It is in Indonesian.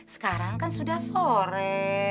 sekarang kan sudah sore